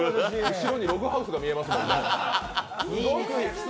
後ろにログハウスが見えますもんね。